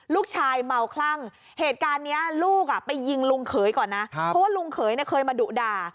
ลูกชายเมาคลั่งเหตุการณ์นี้ลูกไปยิงลุงเขยก่อนนะเพราะว่าลุงเขยเนี่ยเคยมาดุด่า